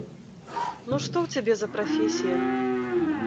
Ну што ў цябе за прафесія?